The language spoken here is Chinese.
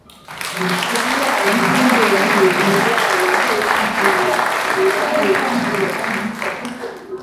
菩提亚人是印度人与尼泊尔人对藏族及与藏族有关民族的称呼。